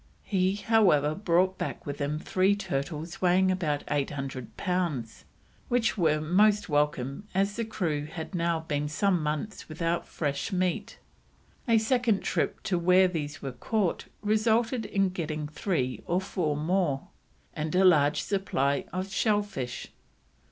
He, however, brought back with him three turtles weighing about 800 pounds, which were most welcome as the crew had now been some months without fresh meat; a second trip to where these were caught resulted in getting three or four more, and a large supply of shell fish.